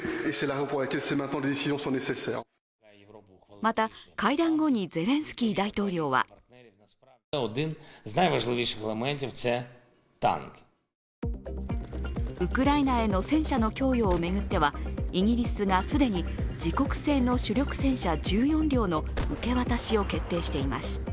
また、会談後にゼレンスキー大統領はウクライナへの戦車の供与を巡ってはイギリスが既に自国製の主力戦車１４両の受け渡しを決定しています。